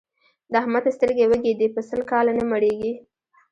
د احمد سترګې وږې دي؛ په سل کاله نه مړېږي.